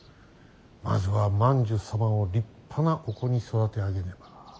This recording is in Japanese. まずは万寿様を立派なお子に育て上げねば。